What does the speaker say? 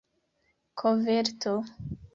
koverto